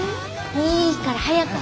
いいから早く早く。